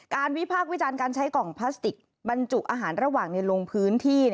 วิพากษ์วิจารณ์การใช้กล่องพลาสติกบรรจุอาหารระหว่างในลงพื้นที่